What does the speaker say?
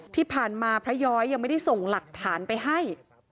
ที่ผ่านมาพระย้อยยังไม่ได้ส่งหลักฐานไปให้